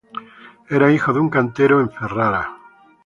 Era hijo de un cantero en Ferrara.